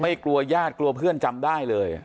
กลัวญาติกลัวเพื่อนจำได้เลย